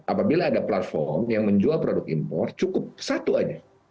apabila ada platform yang menjual produk impor cukup satu aja